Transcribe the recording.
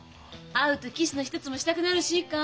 「会うとキスの一つもしたくなるし」か。